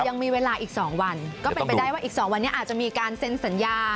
ยังมีเวลาอีก๒วันก็เป็นไปได้ว่าอีก๒วันนี้อาจจะมีการเซ็นสัญญา